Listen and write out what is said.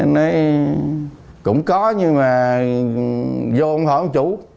nói cũng có nhưng mà vô không hỏi một chú